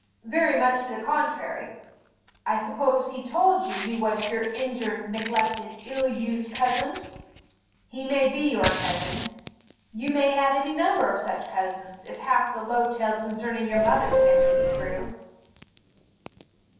Very much to the contrary. I suppose he told you he was your injured, neglected, ill used cousin? He may be your cousin: you may have any number of such cousins, if half the low tales concerning your mother's family be true."